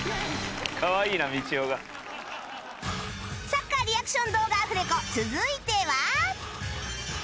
サッカーリアクション動画アフレコ続いては